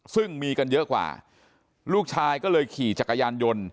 ซึ่งมีกันเยอะกว่าลูกชายก็เลยขี่จักรยานยนต์